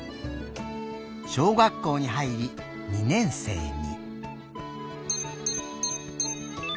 小学校にはいり「二年生」に。